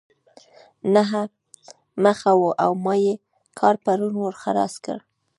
نهه مخه وه او ما ئې کار پرون ور خلاص کړ.